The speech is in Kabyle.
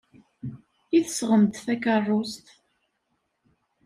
I tesɣem-d takeṛṛust?